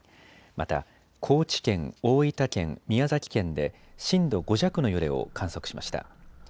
また、高知県、大分県、宮崎県で震度５弱の揺れを観測しました。